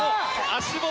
足元。